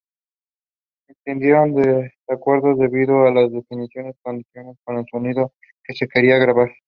Existieron desacuerdos debido a las deficientes condiciones con el sonido que se quería grabar.